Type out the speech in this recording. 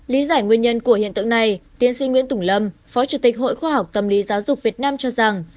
lý giải nguyên nhân của hiện tượng này tiến sĩ nguyễn tùng lâm phó chủ tịch hội khoa học tâm lý giáo dục việt nam cho rằng